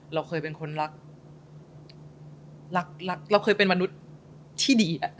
เราเคยเป็นคนรักรักเราเคยเป็นมนุษย์ที่ดี